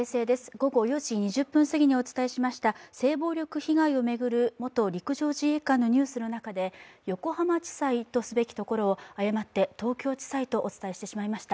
午後４時２０分すぎにお伝えしました性暴力被害を巡る元陸上自衛官のニュースの中で横浜地裁とすべきところを誤って東京地裁とお伝えしてしまいました。